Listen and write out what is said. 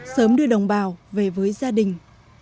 sớm đưa đồng bào về với gia đình